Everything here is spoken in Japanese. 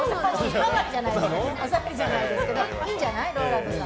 お触りじゃないですけどいいんじゃないＲＯＬＡＮＤさん。